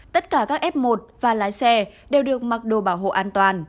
tất cả các f một và lái xe đều được mặc đồ bảo hộ an toàn